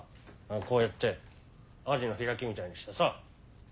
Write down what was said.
こうやってアジの開きみたいにしてさ。